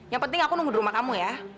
yang penting aku nunggu di rumah kamu ya